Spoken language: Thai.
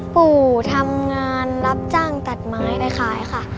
ปู่ทำงานรับจ้างตัดไม้ไปขายค่ะ